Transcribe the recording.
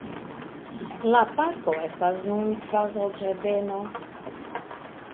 La parko estas nun kvazaŭ ĝardeno.